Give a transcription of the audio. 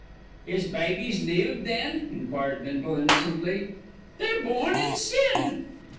"Is babies lewd then?" enquired Bindle innocently. "They're born in sin."